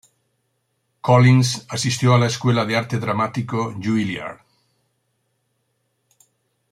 Collins asistió a la Escuela de Arte Dramático Juilliard.